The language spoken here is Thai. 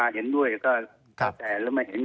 ๒ทั้งแห่งพวกนั้นท่านไม่เกี่ยวชาวบ้านไม่เกี่ยว